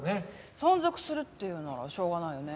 存続するっていうならしょうがないよね。